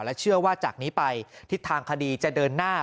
เชื่อว่าจากนี้ไปทิศทางคดีจะเดินหน้า